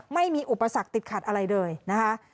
ไม่มีอุปสรรคติดขัดอะไรเลยนะคะ